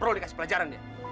perlu dikasih pelajaran dia